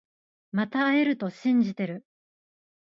また会えると信じてる